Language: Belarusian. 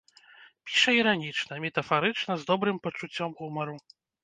Піша іранічна, метафарычна, з добрым пачуццём гумару.